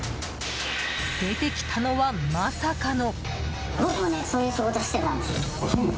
出てきたのは、まさかの。